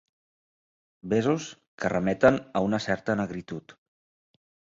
Besos que remeten a una certa negritud.